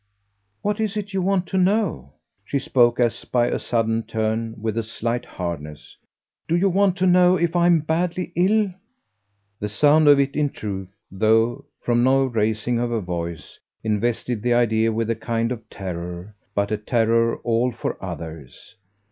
"What is it you want to know?" She spoke, as by a sudden turn, with a slight hardness. "Do you want to know if I'm badly ill?" The sound of it in truth, though from no raising of her voice, invested the idea with a kind of terror, but a terror all for others.